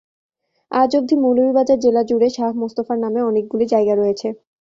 আজ অবধি মৌলভীবাজার জেলা জুড়ে শাহ মোস্তফার নামে অনেকগুলি জায়গা রয়েছে।